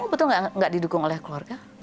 kamu betul gak didukung oleh keluarga